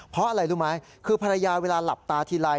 เพราะอะไรรู้ไหมคือภรรยาเวลาหลับตาทีไร